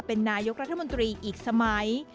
เป็นนายกรัฐมนตรีอีกสมัย